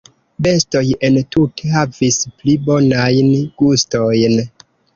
"Bestoj entute havis pli bonajn gustojn."